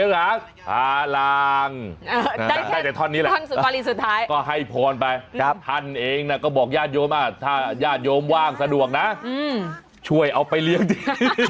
อยากได้แต่ท่อนนี้แหละก็ให้พรไปท่านเองก็บอกญาติโยมว่าถ้าญาติโยมว่างสะดวกนะช่วยเอาไปเลี้ยงดี